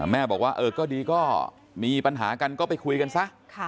แม่บอกว่าเออก็ดีก็มีปัญหากันก็ไปคุยกันซะ